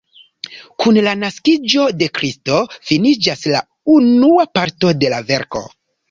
Kun la naskiĝo de Kristo finiĝas la unua parto de la verko.